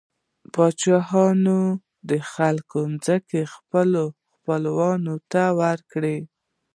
پاچاهانو د خلکو ځمکې خپلو خپلوانو ته ورکړې.